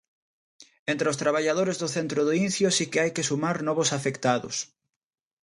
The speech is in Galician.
Entre os traballadores do centro do Incio si que hai que sumar novos afectados.